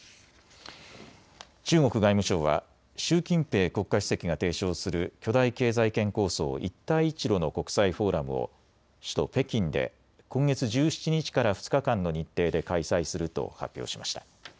中国外務省は習近平国家主席が提唱する巨大経済圏構想、一帯一路の国際フォーラムを首都・北京で今月１７日から２日間の日程で開催すると発表しました。